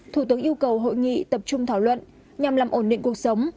thủ tướng yêu cầu hội nghị tập trung thảo luận nhằm làm ổn định cuộc sống